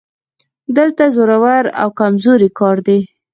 دلته زورور او کمزوری کار دی